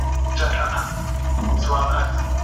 ګاونډیانو به نوي تړونونه لاسلیک کول.